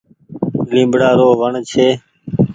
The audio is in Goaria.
ليبڙآ رو وڻ ڇي۔